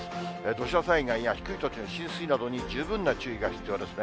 土砂災害や低い土地の浸水などに十分な注意が必要ですね。